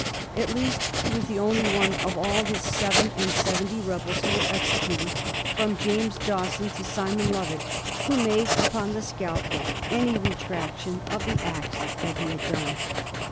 At least he was the only one of all the seven and seventy rebels who were executed, from James Dawson to Simon Lovat, who made upon the scaffold any retractation of the acts that he had done.